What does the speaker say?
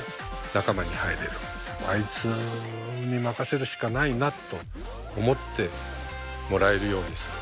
あいつに任せるしかないなと思ってもらえるようにする。